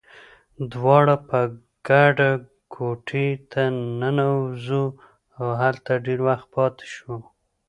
دواړه په ګډه کوټې ته ننوزو، او هلته ډېر وخت پاتې شو.